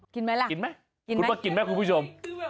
ไหมล่ะกินไหมกินคุณว่ากินไหมคุณผู้ชม